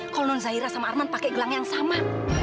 kalau nun zahira sama arman pake gelang yang sama